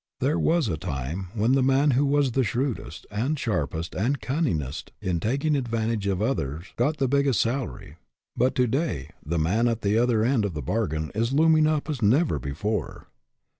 There was a time when the man who was the shrewdest and sharpest and cunningest in taking advantage of others got the biggest salary; but to day the man at the other end of the bargain is looming up as never before.